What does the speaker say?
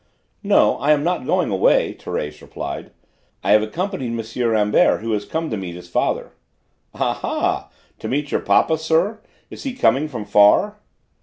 "No, I am not going away," Thérèse replied. "I have accompanied M. Rambert, who has come to meet his father." "Ah ha, to meet your papa, sir: is he coming from far?"